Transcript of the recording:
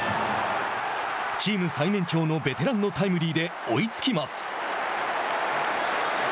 チーム最年長のベテランのタイムリーで追いつきます。